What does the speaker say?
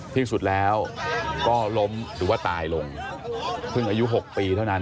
ที่สุดแล้วก็ล้มหรือว่าตายลงเพิ่งอายุ๖ปีเท่านั้น